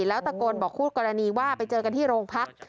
แล้วตะโกนบอกคู่กรณีว่าไปเจอกันที่โรงพัก